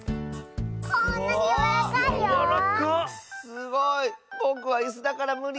すごい！ぼくはいすだからむり！